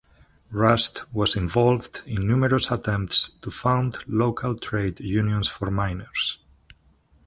Rust was involved in numerous attempts to found local trade unions for miners.